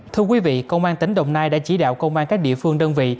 thưa quý vị công an tỉnh đồng nai đã chỉ đạo công an các địa phương đơn vị